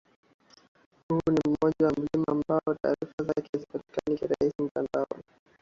Huu ni mmoja ya milima ambayo taarifa zake hazipatikani kirahisi mtandaoni